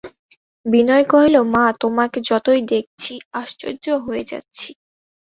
বিনয় কহিল, মা, তোমাকে যতই দেখছি আশ্চর্য হয়ে যাচ্ছি।